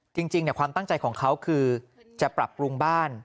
จริงความตั้งใจของเขาคือจะปรับปรุงบ้าน